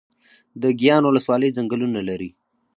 د ګیان ولسوالۍ ځنګلونه لري